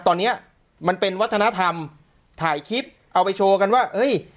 ตอนนี้มันเป็นวัฒนธรรมถ่ายคลิปเอาไปโชว์กันว่าเฮ้ย